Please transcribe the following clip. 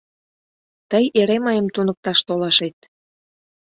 — Тый эре мыйым туныкташ толашет...